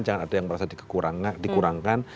jangan ada yang merasa dikurangkan